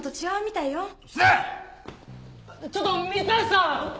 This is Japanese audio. ちょっと三橋さん！